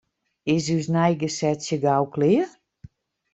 Is ús neigesetsje gau klear?